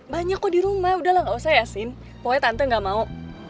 banyak kok di rumah udah lah gak usah ya sin pokoknya tante gak mau